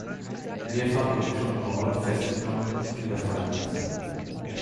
Mehrfach wurde John Ball festgenommen und wieder freigelassen.